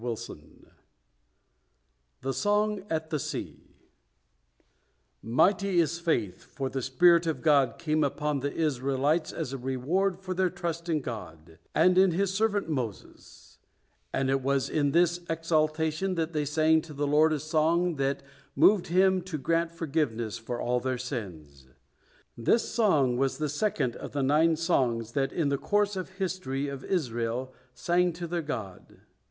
THE SONG AT THE SEA Mighty is faith, for the spirit of God came upon the Israelites as a reward for their trust in God, and in His servant Moses; and it was in this exaltation that they sang to the Lord a song that moved Him to grant forgiveness for all their sins. This song was the second of the nine songs that in the course of history of Israel sang to their God.